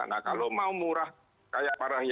nah kalau mau murah kayak para yang rp sembilan puluh